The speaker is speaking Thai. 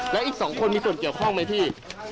และอีก๒คนมีส่วนเกี่ยวข้องไหมพี่